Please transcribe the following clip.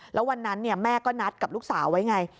แล้ววันนั้นแม่ก็นัดกับลูกสาวไว้ไง